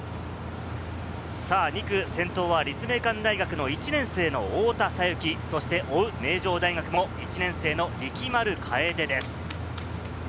２区の先頭は立命館大学の１年生の太田咲雪、そして追う名城大学も１年生の力丸楓です。